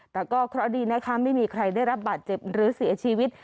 แต่ก็เคราะห์ดีนะคะไม่มีใครได้รับบาดเจ็บหรือเสียชีวิต